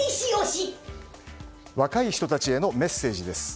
若い人たちへのメッセージです。